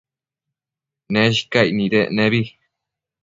Neshcaic nidec nebi